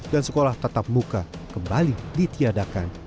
dan sekolah tetap muka kembali ditiadakan